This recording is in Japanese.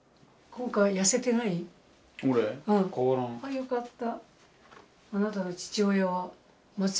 よかった。